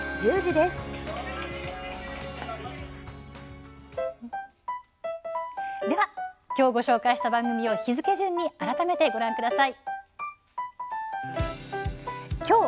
では、きょうご紹介した番組を日付順に改めてご覧ください。